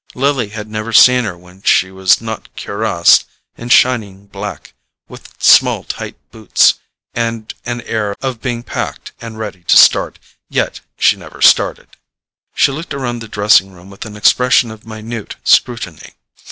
Lily had never seen her when she was not cuirassed in shining black, with small tight boots, and an air of being packed and ready to start; yet she never started. She looked about the drawing room with an expression of minute scrutiny.